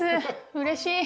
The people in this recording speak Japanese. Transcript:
うれしい。